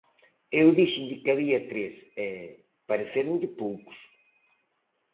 eu díxenlle que había tres e... parecéronlle poucos...